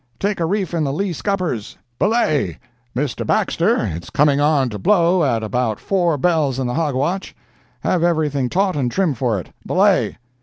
Take a reef in the lee scuppers! Belay! Mr. Baxter, it's coming on to blow at about four bells in the hog watch; have everything taut and trim for it. Belay!"